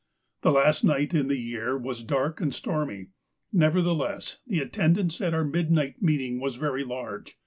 " The last night in the year was dark and stormy; neverthe less, the attendance at our midnight meeting was very large.